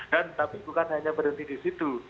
dan tapi bukan hanya berhenti di situ